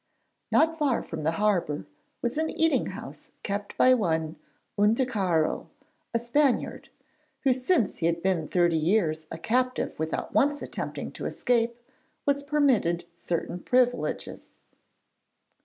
Not far from the harbour was an eating house kept by one Unticaro, a Spaniard, who since he had been thirty years a captive without once attempting to escape was permitted certain privileges.